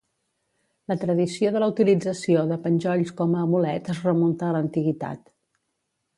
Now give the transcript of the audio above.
La tradició de la utilització de penjolls com a amulet es remunta a l'antiguitat.